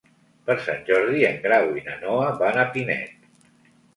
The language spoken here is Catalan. Per Sant Jordi en Grau i na Noa van a Pinet.